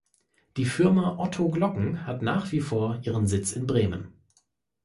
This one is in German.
Die Firma Otto-Glocken hat nach wie vor ihren Sitz in Bremen.